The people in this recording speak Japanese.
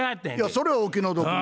それはお気の毒に。